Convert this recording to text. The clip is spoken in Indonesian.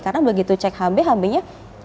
karena begitu cek hb hb nya sepuluh sebelas